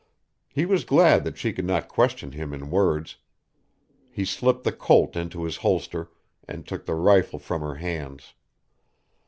He was glad that she could not question him in words. He slipped the Colt into its holster and took the rifle from her hands.